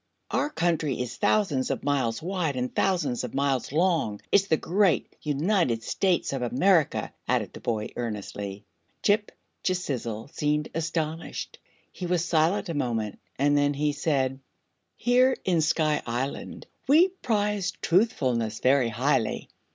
"Our Country is thousands of miles wide and thousands of miles long it's the great United States of America!" added the boy, earnestly. Ghip Ghisizzle seemed astonished. He was silent a moment, and then he said: "Here in Sky Island we prize truthfulness very highly.